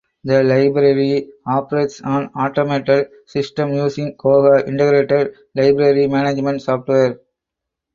The library operates an automated system using "Koha" Integrated Library Management Software.